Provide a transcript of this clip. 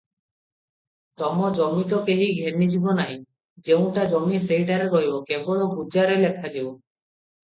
ତମ ଜମି ତ କେହି ଘେନିଯିବ ନାହିଁ, ଯେଉଁଠା ଜମି ସେହିଠାରେ ରହିବ, କେବଳ ଗୁଜାରେ ଲେଖାଯିବ ।